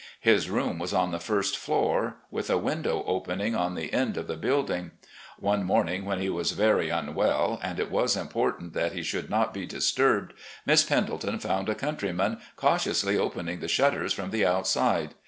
His room was on the first floor, with a window opening on the end of the build ing. One morning, when he was very unwell and it was important that he should not be disturbed. Miss Pendleton fotmd a countr3rman cautiously opening the shutters from the outside.